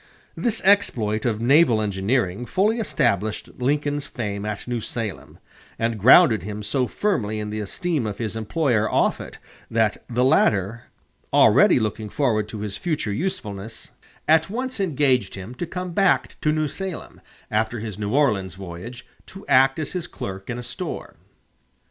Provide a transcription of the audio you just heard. This exploit of naval engineering fully established Lincoln's fame at New Salem, and grounded him so firmly in the esteem of his employer Offutt that the latter, already looking forward to his future usefulness, at once engaged him to come back to New Salem, after his New Orleans voyage, to act as his clerk in a store.